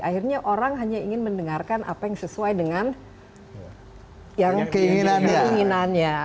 akhirnya orang hanya ingin mendengarkan apa yang sesuai dengan yang keinginannya